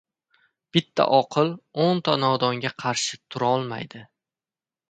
• Bitta oqil o‘nta nodonga qarshi turolmaydi.